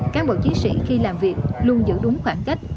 các bộ chí sĩ khi làm việc luôn giữ đúng khoảng cách